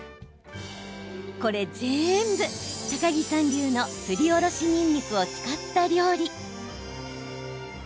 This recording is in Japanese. これ全部、高城さん流のすりおろしにんにくを使った料理。